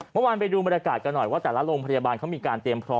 เมื่อวานไปดูบรรยากาศกันหน่อยว่าแต่ละโรงพยาบาลเขามีการเตรียมพร้อม